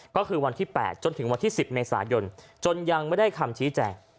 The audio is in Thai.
ก็คือวันที่๘จนถึงวันที่๑๐เมษายนจนยังไม่ได้คำชี้แจง